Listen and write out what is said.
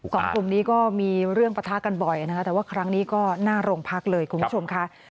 กลุ่มนี้ก็มีเรื่องปะทะกันบ่อยนะคะแต่ว่าครั้งนี้ก็หน้าโรงพักเลยคุณผู้ชมค่ะ